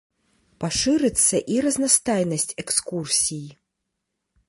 Пашырыцца і разнастайнасць экскурсій.